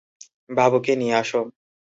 বাবুকে নিয়ে আসো।